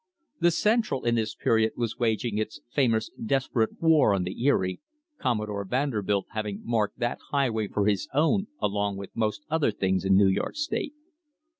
The Central in this period was waging its famous desperate war on the Erie, Commodore Vanderbilt having marked that highway for his own along with most other things in New York State.